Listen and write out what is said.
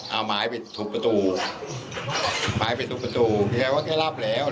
เอาไม้ไปถูบประตูไม้ไปถูบประตูเขาจะรับแล้ว